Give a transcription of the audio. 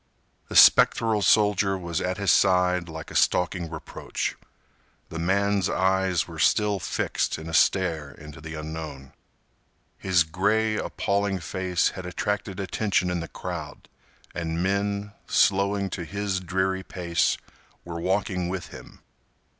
The spectral soldier was at his side like a stalking reproach. The man's eyes were still fixed in a stare into the unknown. His gray, appalling face had attracted attention in the crowd, and men, slowing to his dreary pace, were walking with him.